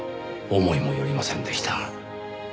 思いもよりませんでした。